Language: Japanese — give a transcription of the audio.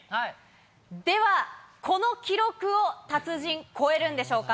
では、この記録を達人、超えるんでしょうか。